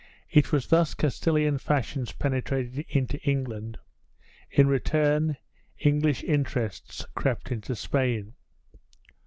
It was thus Castilian fashions penetrated into England; in return, English interests crept into Spain.